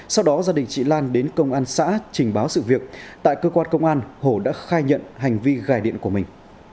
sau đó gia đình chị lan đến công an xã trình báo sự việc tại cơ quan công an hồ đã khai nhận hành vi gài điện của mình